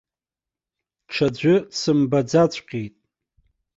Ҽаӡәы дсымбаӡаҵәҟьеит.